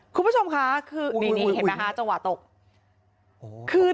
คุณผู้ชมค่ะอย่างนี้เห็นไหม๕จวาตก